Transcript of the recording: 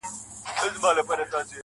• خورې ورې پرتې وي.